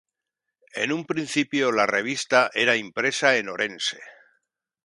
En un principio la revista era impresa en Orense.